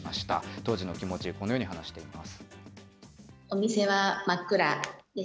当時の気持ち、このように話しています。